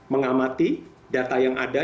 mengamati data yang ada